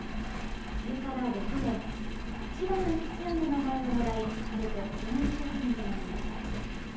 それから６年「橘吉也」の名前をもらい晴れて江戸文字職人になりました。